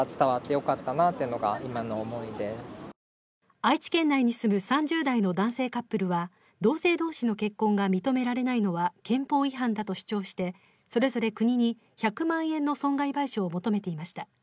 愛知県内に住む３０代の男性カップルは同性同士の結婚が認められないのは憲法違反だと主張して、それぞれ国に１００万円の損害賠償を求めていました。